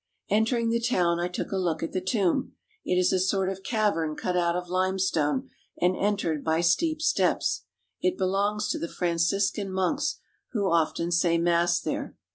Entering the town, I took a look at the tomb. It is a sort of cavern cut out of limestone and entered by steep steps. It belongs to the Franciscan monks, who often say mass there.